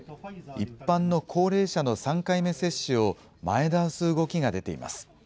一般の高齢者の３回目接種を前倒す動きが出ています。